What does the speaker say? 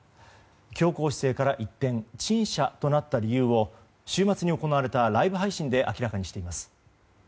強硬姿勢から一転陳謝となった理由を週末に行われたライブ配信で明らかにしています。